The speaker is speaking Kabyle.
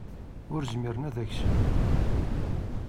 Ur zmiren ad ak-slen.